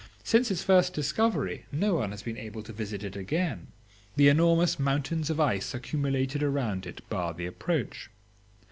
Since its first discovery no one has been able to visit it again; the enormous mountains of ice accumulated around it bar the approach.